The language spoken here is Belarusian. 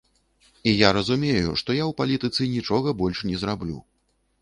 І я разумею, што я ў палітыцы нічога больш не зраблю.